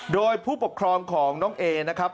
โดยผู้ปกครองของน้องเอนะครับ